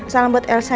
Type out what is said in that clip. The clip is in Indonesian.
salam buat elsa ya